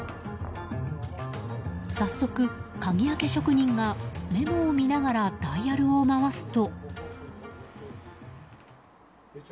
早速、鍵開け職人がメモを見ながらダイヤルを回すと。